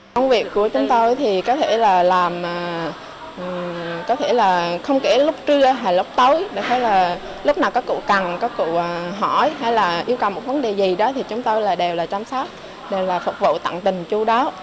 công việc của chúng tôi có thể là làm không kể lúc trưa hay lúc tối lúc nào có cụ cần có cụ hỏi hay là yêu cầu một vấn đề gì đó thì chúng tôi đều là chăm sóc đều là phục vụ tặng tình chú đáo